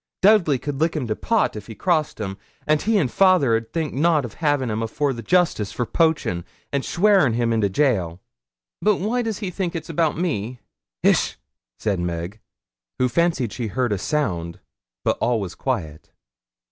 Dudley could lick him to pot if he crossed him, and he and fayther 'ud think nout o' havin' him afore the justices for poachin', and swearin' him into gaol.' 'But why does he think it's about me?' 'Hish!' said Meg, who fancied she heard a sound, but all was quiet.